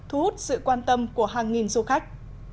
thu hút sự quan tâm của hàng nghìn du khách